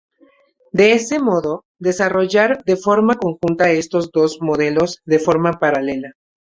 De este modo desarrollar de forma conjunta estos dos modelos de forma paralela.